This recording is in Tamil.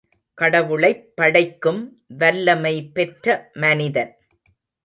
கடவுளைப் படைக்கும் வல்லமை பெற்ற மனிதன்.